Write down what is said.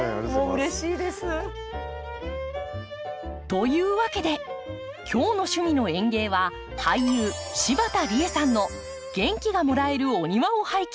もううれしいです。というわけで今日の「趣味の園芸」は俳優柴田理恵さんの元気がもらえるお庭を拝見！